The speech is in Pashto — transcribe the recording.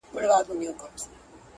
د غم قصه سړی خورا مات کړي,